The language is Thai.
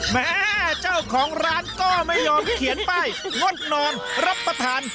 แม่เจ้าของร้านก็ไม่ยอมเขียนป้ายงดนอนรับประทาน